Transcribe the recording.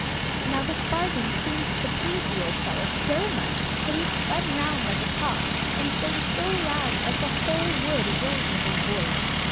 Now this bargain seemed to please the old fellow so much that he spun round like a top, and sang so loud that the whole wood rang with his voice.